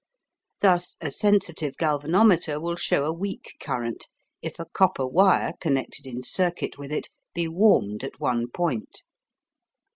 Thus a sensitive galvanometer will show a weak current if a copper wire connected in circuit with it be warmed at one point.